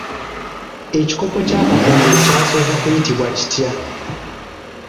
Ekikopo kya Kakungulu kyasooka kuyitibwa kitya?